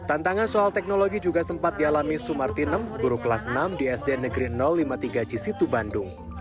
tantangan soal teknologi juga sempat dialami sumartinem guru kelas enam di sd negeri lima puluh tiga cisitu bandung